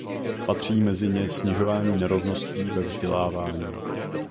Patří mezi ně snižování nerovností ve vzdělávání.